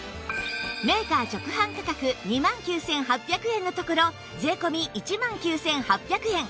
メーカー直販価格２万９８００円のところ税込１万９８００円